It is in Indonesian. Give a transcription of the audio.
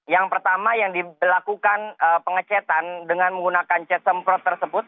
yang pertama yang dilakukan pengecetan dengan menggunakan cat semprot tersebut